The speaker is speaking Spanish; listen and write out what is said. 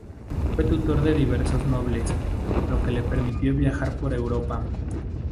Fue tutor de diversos nobles, lo que le permitió viajar por Europa.